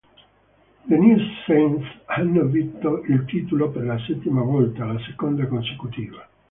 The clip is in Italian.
The New Saints hanno vinto il titolo per la settima volta, la seconda consecutiva.